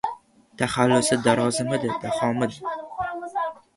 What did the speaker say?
Taxallusi Darozmidi, Dahomidi...